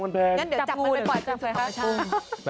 งั้นเดี๋ยวจับมันไปปล่อยเกตหล่ะ